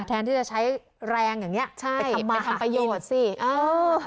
แทนที่จะใช้แรงอย่างเงี้ใช่ไปทำไปทำประโยชน์สิเออ